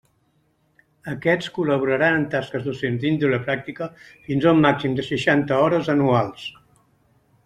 Aquests col·laboraran en tasques docents d'índole pràctica fins a un màxim de seixanta hores anuals.